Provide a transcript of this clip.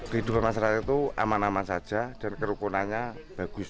hidup masyarakat itu aman aman saja dan kerukunannya bagus